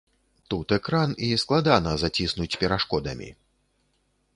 Тут экран, і складана заціснуць перашкодамі.